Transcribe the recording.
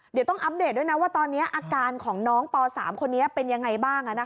เดี๋ยวต้องอัปเดตด้วยนะว่าตอนนี้อาการของน้องป๓คนนี้เป็นยังไงบ้าง